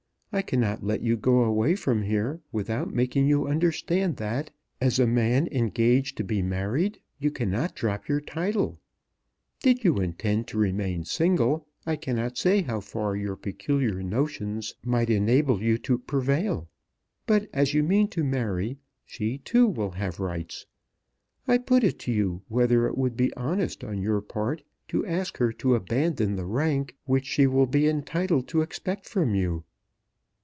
I cannot let you go away from here without making you understand that, as a man engaged to be married, you cannot drop your title. Did you intend to remain single, I cannot say how far your peculiar notions might enable you to prevail; but as you mean to marry, she, too, will have rights. I put it to you whether it would be honest on your part to ask her to abandon the rank which she will be entitled to expect from you.